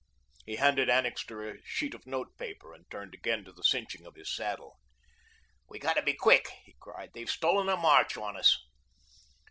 He handed Annixter a sheet of note paper, and turned again to the cinching of his saddle. "We've got to be quick," he cried. "They've stolen a march on us."